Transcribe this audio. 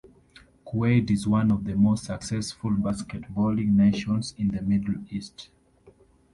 Kuwait is one of the most successful basketballing nations in the Middle East.